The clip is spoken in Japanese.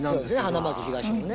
花巻東のね。